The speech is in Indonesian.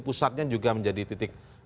pusatnya juga menjadi titik